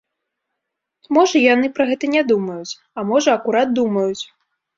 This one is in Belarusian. Можа, яны пра гэта не думаюць, а можа, акурат думаюць.